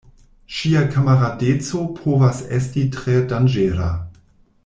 Ŝia kamaradeco povas esti tre danĝera.